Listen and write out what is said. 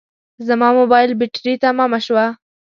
زما موبایل بټري تمامه شوه